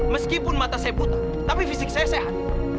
meskipun mata saya butuh tapi fisik saya sehat